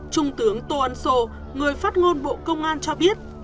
trung tướng tô ân sô người phát ngôn bộ công an cho biết